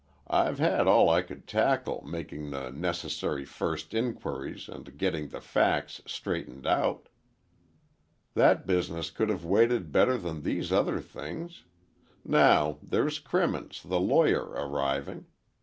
I've had all I could tackle, making the necessary first inquiries, and getting the facts straightened out." "That business could have waited better than these other things. Now, there's Crimmins, the lawyer arriving.